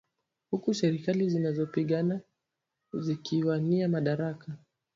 Huku serikali zinazopingana zikiwania madaraka.